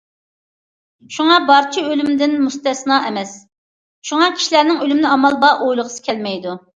شۇڭا،« بارچە»« ئۆلۈم» دىن مۇستەسنا ئەمەس، شۇڭا، كىشىلەرنىڭ ئۆلۈمنى ئامال بار ئويلىغۇسى كەلمەيدۇ.